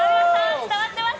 伝わってます。